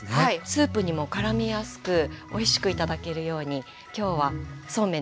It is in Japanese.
スープにもからみやすくおいしく頂けるように今日はそうめんでつけ麺にしたいと思います。